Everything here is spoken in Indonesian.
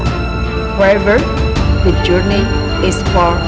namun perjalanan itu jauh dari seluruh dunia